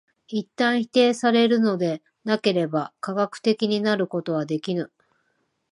一旦否定されるのでなければ科学的になることはできぬ。